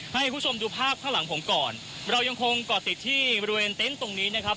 ให้คุณผู้ชมดูภาพข้างหลังผมก่อนเรายังคงก่อติดที่บริเวณเต็นต์ตรงนี้นะครับ